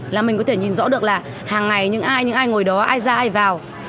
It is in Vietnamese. là mình có thể nhìn rõ được là hàng ngày những ai ngồi đó ai ra ai vào